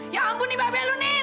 ya ampun iba' be' lu nih